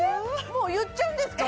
もう言っちゃうんですか？